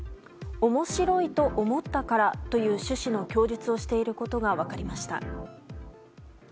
面白いと思ったからという趣旨の供述をしていることが分かりました。